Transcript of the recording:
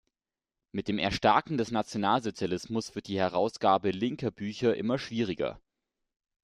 Mit dem Erstarken des Nationalsozialismus wird die Herausgabe linker Bücher immer schwieriger.